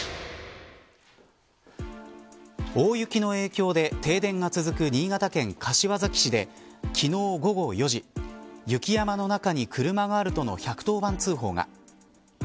大雪の影響で停電が続く新潟県柏崎市で昨日午後４時雪山の中に車があるとの１１０番通報が。